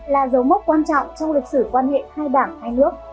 là dấu mốc quan trọng trong lịch sử quan hệ hai đảng hai nước